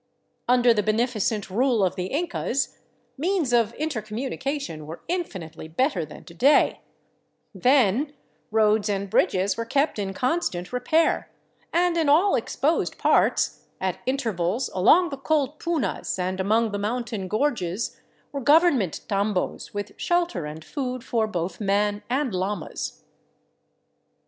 Under the beneficent rule of the Incas means of intercommunication were infinitely better than to day ; then, roads and bridges were kept in constant repair, and in all exposed parts, at intervals along the cold punas and among the mountain gorges, were government tambos with shelter and food for both man and llamas.